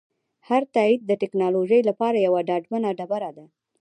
هر تایید د ټکنالوژۍ لپاره یوه ډاډمنه ډبره ده.